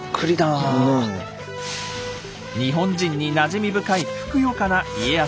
日本人になじみ深いふくよかな家康。